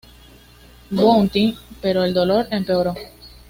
Bounty", pero el dolor empeoró.